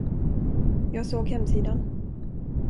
Jag såg hemsidan.